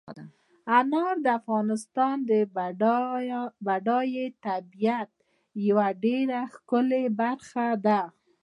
انار د افغانستان د بډایه طبیعت یوه ډېره ښکلې برخه ده.